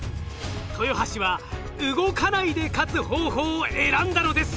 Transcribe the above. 豊橋は「動かないで勝つ方法」を選んだのです。